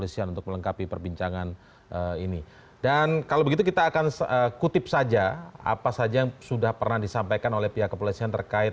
sekarang kita akan lanjutkan lagi